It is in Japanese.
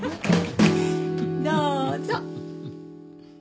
どうぞ。